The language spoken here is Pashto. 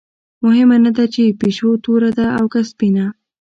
مهمه نه ده چې پیشو توره ده او که سپینه.